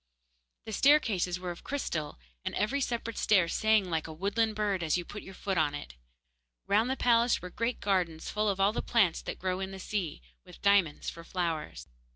The staircases were of crystal, and every separate stair sang like a woodland bird as you put your foot on it. Round the palace were great gardens full of all the plants that grow in the sea, with diamonds for flowers.